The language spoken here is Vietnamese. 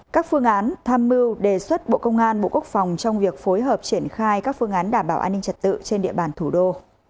các phương án tham mưu đề xuất bộ công an bộ quốc phòng trong việc phối hợp triển khai các phương án đảm bảo an ninh trật tự trên địa bàn thủ đô